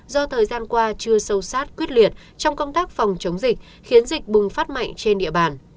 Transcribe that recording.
do thời gian qua chưa sâu sát quyết liệt trong công tác phòng chống dịch khiến dịch bùng phát mạnh trên địa bàn